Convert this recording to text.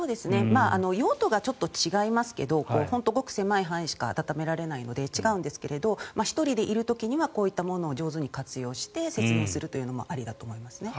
用途がちょっと違いますけど本当にごく狭い範囲しか暖められないので違うんですが１人でいる時にはこういったものを上手に活用して節電するというのもありだと思います。